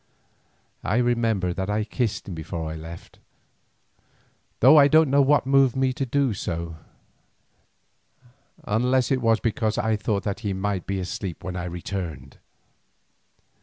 I remember that I kissed him before I left, though I do not know what moved me to do so, unless it was because I thought that he might be asleep when I returned.